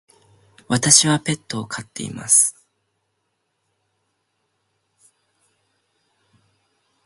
私はペットを飼っています。